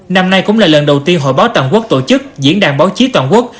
năm nay cũng là lần đầu tiên hội báo toàn quốc tổ chức diễn đàn báo chí toàn quốc